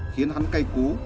khiến hắn cay cú